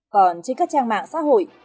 còn trên các trang mạng xã hội